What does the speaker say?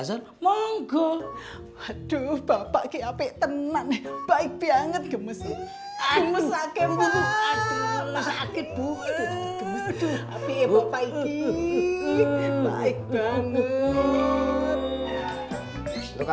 sampai jumpa di video selanjutnya